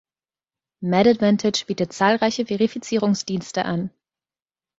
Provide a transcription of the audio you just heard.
Med Advantage bietet zahlreiche Verifizierungsdienste an.